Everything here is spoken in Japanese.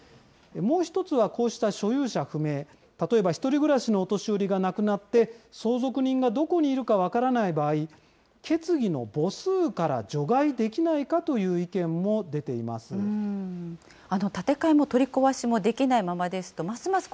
もう１つは、こうした所有者不明、例えば１人暮らしのお年寄りが亡くなって、相続人がどこにいるか分からない場合、決議の母数から除外できないかという意見も出ています。